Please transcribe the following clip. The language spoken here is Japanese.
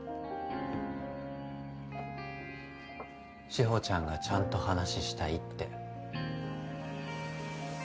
志保ちゃんがちゃんと話したいって。